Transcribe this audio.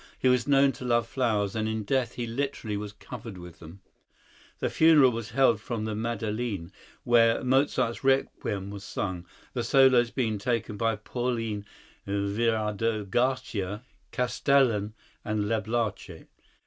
He was known to love flowers, and in death he literally was covered with them. The funeral was held from the Madeleine, where Mozart's "Requiem" was sung, the solos being taken by Pauline Viardot Garcia, Castellan and Lablache.